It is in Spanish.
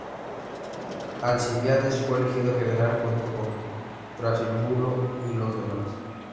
Alcibíades fue elegido general junto con Trasíbulo y los demás.